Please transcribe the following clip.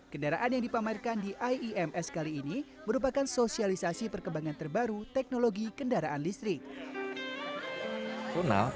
kendaraan yang dipamerkan di iims kali ini merupakan sosialisasi perkembangan terbaru teknologi kendaraan listrik